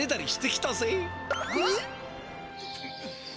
えっ？